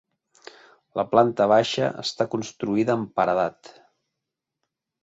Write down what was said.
La planta baixa està construïda amb paredat.